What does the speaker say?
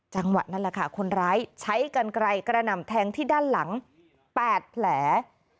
จังหวะนั้นแหละค่ะคนร้ายใช้กันไกลกระหน่ำแทงที่ด้านหลัง๘แผล